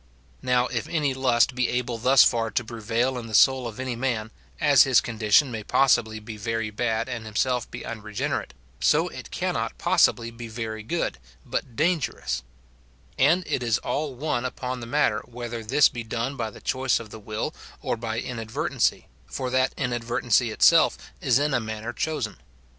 Now, if any lust be able thus far to prevail in the soul of any man, as his condition may possibly be very bad and himself be un regenerate, so it cannot possibly be very good, but dan gerous ; and it is all one upon the matter whether this be done by the choice of the will or by inadvertency, for that inadvertency itself is in a manner chosen.